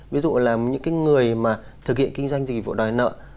ví dụ là những cái người mà thực hiện kinh doanh dịch vụ đòi nợ